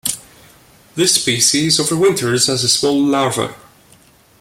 This species overwinters as a small larva.